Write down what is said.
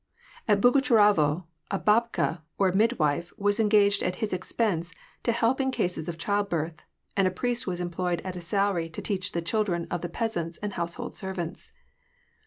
At Bogucharovo, a babka^ or midwife, was engaged at his expense to help in cases of childbirth, and a priest was employed at a salary to teach the children of the peasants and household servants.